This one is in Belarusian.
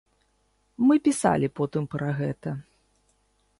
Мы пісалі потым пра гэта.